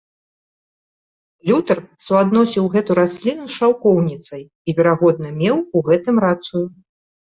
Лютэр суадносіў гэту расліну з шаўкоўніцай, і, верагодна, меў у гэтым рацыю.